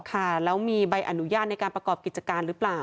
ค่ะแล้วมีใบอนุญาตในการประกอบกิจการหรือเปล่า